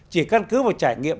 chỉ căn cứ vào trải nghiệm